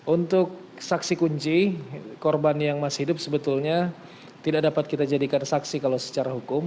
untuk saksi kunci korban yang masih hidup sebetulnya tidak dapat kita jadikan saksi kalau secara hukum